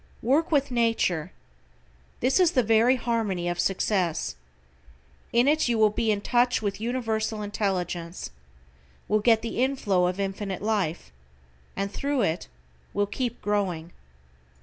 WORK WITH NATURE. This is the very harmony of success. In it you will be in touch with Universal Intelligence, will get the inflow of Infinite Life, and thru it will keep growing.